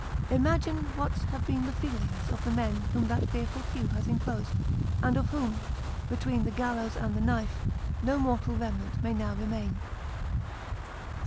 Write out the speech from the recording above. " Imagine what have been the feelings of the men whom that fearful pew has enclosed, and of whom, between the gallows and the knife, no mortal remnant may now remain !